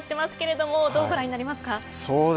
どうご覧になりますか。